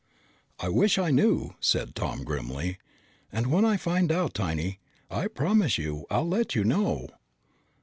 "I wish I knew," said Tom grimly. "And when I find out, Tiny, I promise you I'll let you know."